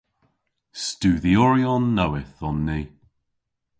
Studhyoryon nowydh on ni.